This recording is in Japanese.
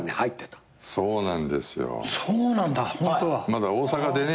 まだ大阪でね